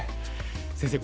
先生